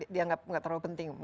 dia nggak terlalu penting mungkin